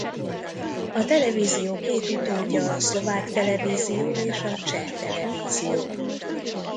A televízió két utódja a Szlovák Televízió és a Cseh Televízió.